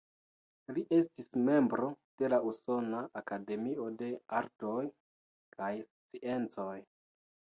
Li estis membro de la Usona Akademio de Artoj kaj Sciencoj.